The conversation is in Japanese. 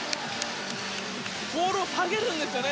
ボールを下げるんですよね